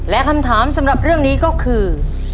และคำถามสำหรับเรื่องนี้ก็คือ